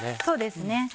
そうですね。